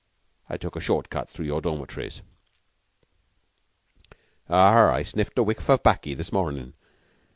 I took a short cut through your dormitories." "I sniffed a whiff of 'baccy, this mornin'.